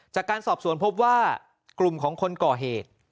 จากการสอบสวนพบว่ากลุ่มของคนก่อเหตุ